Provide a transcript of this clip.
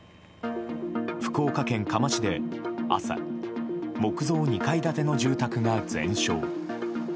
福岡県嘉麻市で、朝、木造２階建ての住宅が全焼。